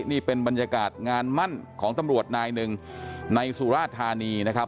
นี่เป็นบรรยากาศงานมั่นของตำรวจนายหนึ่งในสุราธานีนะครับ